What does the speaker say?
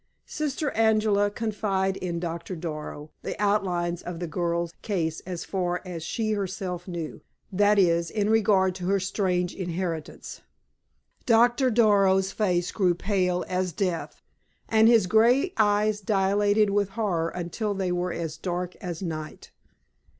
Sister Angela confided in Doctor Darrow the outlines of the girl's case as far as she herself knew, that is, in regard to her strange inheritance. Doctor Darrow's face grew pale as death, and his gray eyes dilated with horror until they were as dark as night.